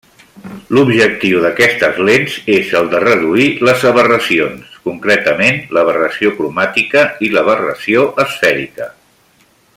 L'objectiu d'aquestes lents és el de reduir les aberracions, concretament l'aberració cromàtica i l'aberració esfèrica.